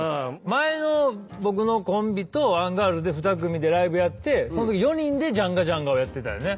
前の僕のコンビとアンガールズで２組でライブやってそのとき４人でジャンガジャンガをやってたよね。